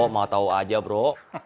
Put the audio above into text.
mau tau aja bro